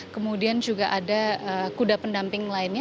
kemudian juga ada kuda pendamping lainnya